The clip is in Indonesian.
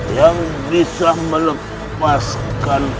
yang bisa melepaskan